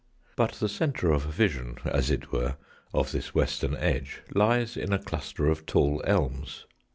But the centre of vision, as it were, of this western edge lies in a cluster of tall elms.